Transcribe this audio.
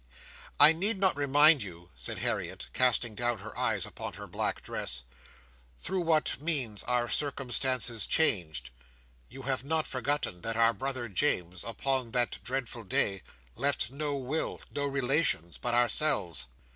"I need not remind you," said Harriet, casting down her eyes upon her black dress, "through what means our circumstances changed. You have not forgotten that our brother James, upon that dreadful day, left no will, no relations but ourselves."